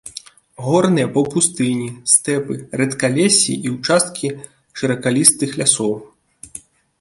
Горныя паўпустыні, стэпы, рэдкалессі і ўчасткі шыракалістых лясоў.